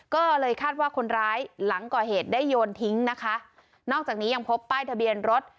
ก็เลยคาดว่าคนร้ายหลังก่อเหตุได้โยนทิ้งนะคะนอกจากนี้ยังพบป้ายทะเบียนรถ